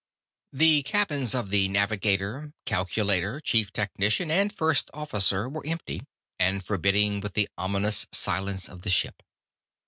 The cabins of the navigator, calculator, chief technician, and first officer were empty, and forbidding with the ominous silence of the ship.